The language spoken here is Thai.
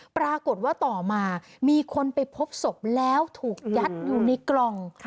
ปรากฏว่าต่อมามีคนไปพบศพแล้วถูกยัดอยู่ในกล่อง